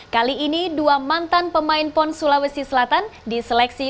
kali ini dua mantan pemain pon sulawesi selatan diseleksi